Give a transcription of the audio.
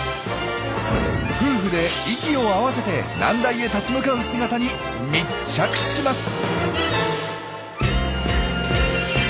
夫婦で息を合わせて難題へ立ち向かう姿に密着します！